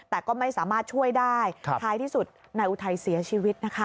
แต่ก็ไม่สามารถช่วยได้ท้ายที่สุดนายอุทัยเสียชีวิตนะคะ